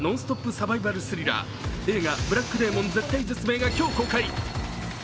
・サバイバル・スリラー映画「ブラック・デーモン絶体絶命」が今日公開。